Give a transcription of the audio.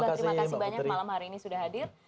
terima kasih banyak malam hari ini sudah hadir